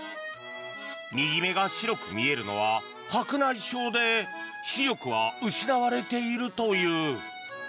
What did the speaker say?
右目が白く見えるのは白内障で視力は失われているという。